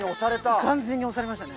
完全に押されましたね。